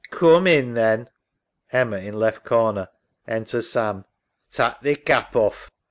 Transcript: Coom in then. (Emma in left corner. Enter Sam) Tak' thy cap off.